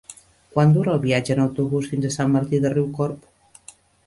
Quant dura el viatge en autobús fins a Sant Martí de Riucorb?